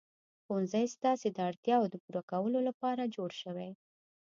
ښوونځی ستاسې د اړتیاوو د پوره کولو لپاره جوړ شوی.